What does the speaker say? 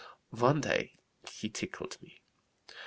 One day he tickled me.